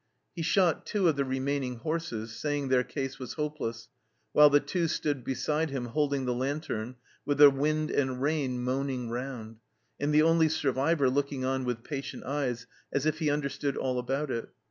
He shot two of the remaining horses, saying their case was hopeless, while the Two stood beside him holding the lantern, with the wind and rain moaning round, and the only survivor looking on with patient eyes, as if he understood all about it.